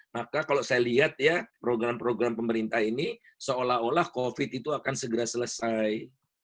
maka kalau saya lihat ya program program pemerintah ini seolah olah covid itu akan segera selesai